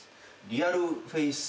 リアルフェイス